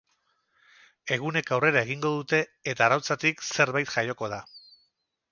Egunek aurrera egingo dute, eta arrautzatik zerbait jaioko da.